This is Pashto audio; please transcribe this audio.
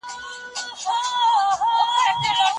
که نفوس ژر زیات سي نو سړي سر عاید کمیږي.